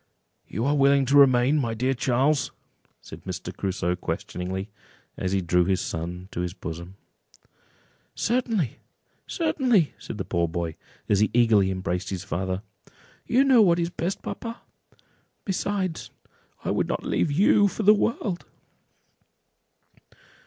"You are willing to remain, my dear Charles?" said Mr. Crusoe, questioningly, as he drew his son to his bosom. "Certainly, certainly!" said the poor boy, as he eagerly embraced his father; "you know what is best, papa: besides, I would not leave you for the world."